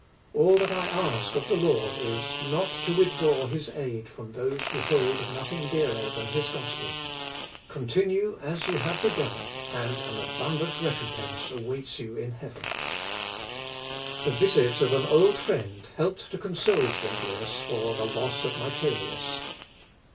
All that I ask of the Lord is, not to withdraw his aid from those who hold nothing dearer than his gospel. Continue as you have begun, and an abundant recompence awaits you in heaven." [Sidenote: ZUINGLIUS AT BALE.] The visit of an old friend helped to console Zuinglius for the loss of Myconius.